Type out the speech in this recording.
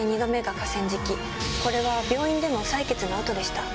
これは病院での採血の後でした。